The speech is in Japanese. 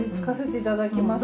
いただきます。